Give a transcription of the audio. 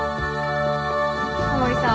タモリさん